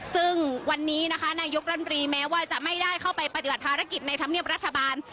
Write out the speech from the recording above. ซึ่งวันนี้นะคะนายกรัมรีแม้ว่าจะไม่ได้เข้าไปปฏิบัติภารกิจในธรรมเนียบรัฐบาล